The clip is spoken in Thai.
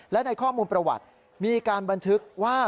และในข้อมูลประวัติมีการบันทึกว่า